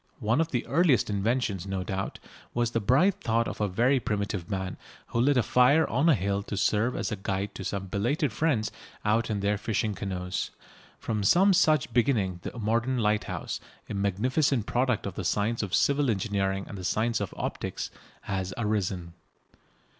One of the earliest inventions, no doubt, was the bright thought of a very primitive man who lit a fire on a hill to serve as a guide to some belated friends out in their fishing canoes. From some such beginning the modern lighthouse, a magnificent product of the science of civil engineering and the science of optics, has arisen.